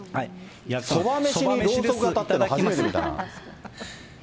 そばめしにろうそくが立ってるの初めて見たな。